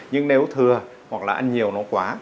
nhưng nếu thừa hoặc là ăn nhiều nó quá